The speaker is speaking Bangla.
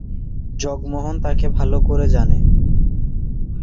জগমোহন তাকে ভাল করে জানে।